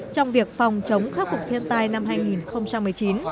trong việc phòng chống khắc phục thiên tai năm hai nghìn một mươi chín